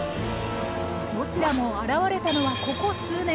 どちらも現れたのはここ数年。